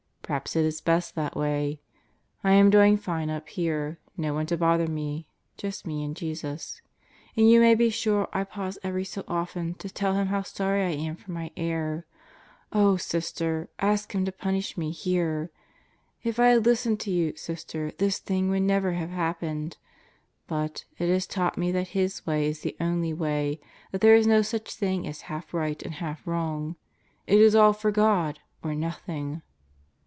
Perhaps it is best that way. I am doing fine up here. No one to bother me. Just me and Jesus. And you may be sure I pause every so often to tell Him how sorry I am for my error. Oh, Sister, ask Him to punish me here. ... If I had listened to you, Sister, this thing would never have happened. But ... it has taught me that His way is the only way; that there is no such thing as half right and half wrong. It is all for God or nothing!